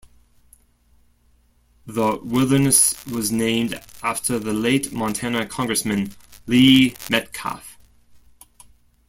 The wilderness was named after the late Montana congressman Lee Metcalf.